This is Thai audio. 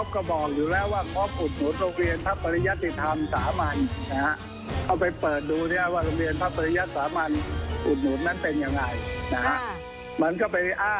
ขอบคุณค่ะ